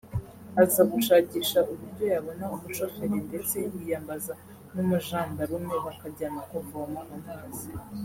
aza gushakisha uburyo yabona umushoferi ndetse yiyambaza n’umujandarume bakajyana kuvoma amazi